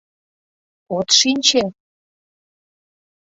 — От шинче?!